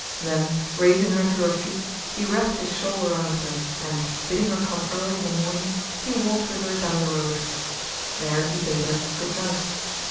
Then, raising her to her feet, he wrapped his shawl around her, and, bidding her come early in the morning, he walked with her down the road. There he bade her "good night."